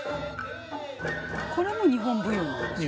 これも日本舞踊なんですよね。